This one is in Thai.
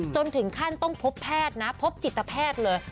จนถึงขั้นต้องพบแพทย์นะพบจิตแพทย์เลย